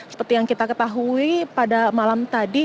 seperti yang kita ketahui pada malam tadi